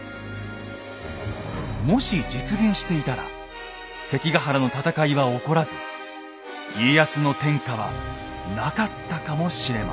もし実現していたら関ヶ原の戦いは起こらず家康の天下はなかったかもしれません。